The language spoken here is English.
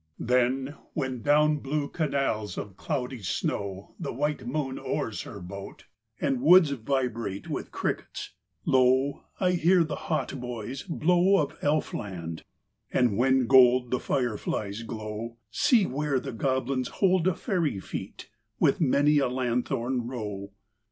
Then, when down blue canals of cloudy snow The white moon oars her boat, and woods vibrate With crickets, lo, I hear the hautboys blow Of Elfland; and, when gold the fireflies glow, See where the goblins hold a Fairy Fête With many a lanthorn row.